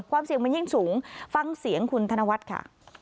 ความเสี่ยงมันยิ่งสูงฟังเสียงคุณธนวัฒน์ค่ะ